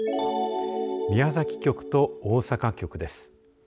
宮崎局と大阪局です。